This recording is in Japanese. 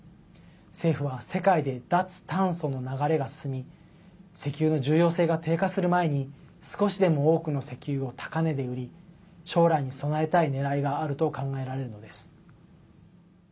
政府は世界で脱炭素の流れが進み石油の重要性が低下する前に少しでも多くの石油を高値で売り将来に備えたいねらいがあると考えられるのです。